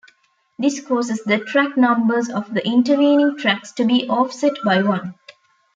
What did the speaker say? This causes the track numbers of the intervening tracks to be offset by one.